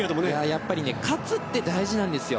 やっぱり勝つって大事なんですよ。